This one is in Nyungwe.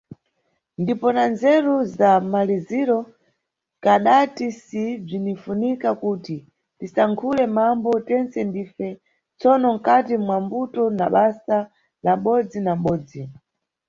Ndipo na nzeru za mmaliziro kadati si bzinifunika kuti tisankhule mambo, tentse ndife, tsono mkati mwa mbuto na basa la mʼbodzi na mʼbodzi.